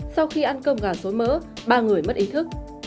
sau khi ăn cơm gà xối mỡ ba người mất ý thức